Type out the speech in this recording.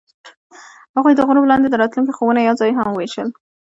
هغوی د غروب لاندې د راتلونکي خوبونه یوځای هم وویشل.